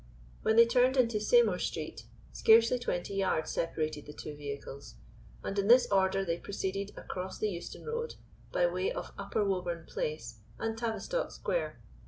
When they turned into Seymour Street, scarcely twenty yards separated the two vehicles, and in this order they proceeded across the Euston Road, by way of Upper Woburn Place and Tavistock Square.